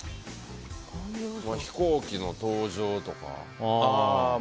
飛行機の搭乗とか？